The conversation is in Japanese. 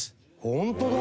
ホントだ！